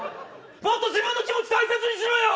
もっと自分の気持ち大切にしろよ。